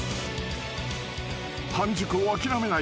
［半熟を諦めない